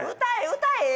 歌え！